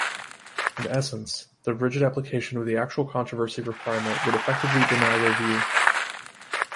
In essence, the rigid application of the actual controversy requirement would effectively deny review.